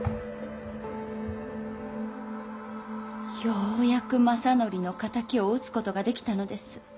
ようやく政範の敵を討つことができたのです。